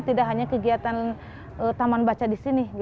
tidak hanya kegiatan taman baca di sini